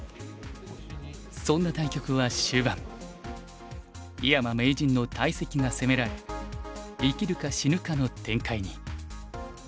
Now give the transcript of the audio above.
そんな対局は終盤井山名人の大石が攻められ生きるか死ぬかの展開に。